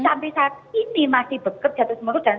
sampai saat ini masih beket jatuh semurut dan